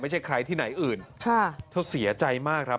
ไม่ใช่ใครที่ไหนอื่นค่ะเธอเสียใจมากครับ